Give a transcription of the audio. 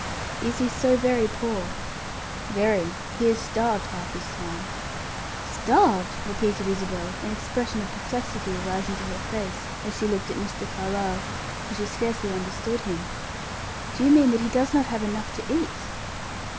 "Is he so very poor?" "Very. He is starved half his time." "Starved!" repeated Isabel, an expression of perplexity arising to her face as she looked at Mr. Carlyle, for she scarcely understood him. "Do you mean that he does not have enough to eat?"